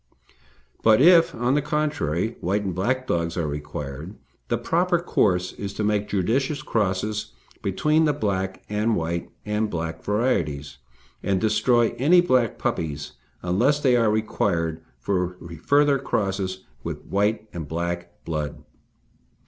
But if, on the contrary, white and black dogs are required, the proper course is to make judicious crosses between the black and white, and black varieties, and destroy any black puppies, unless they are required for further crosses with white and black blood.